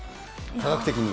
科学的に。